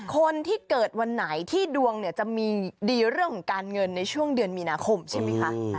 คนที่เกิดวันไหนที่ดวงเนี่ยจะมีดีเรื่องของการเงินในช่วงเดือนมีนาคมใช่ไหมคะ